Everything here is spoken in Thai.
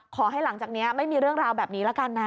หลังจากนี้ไม่มีเรื่องราวแบบนี้ละกันนะ